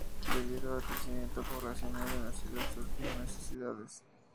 Debido al crecimiento poblacional en la ciudad; surgieron necesidades.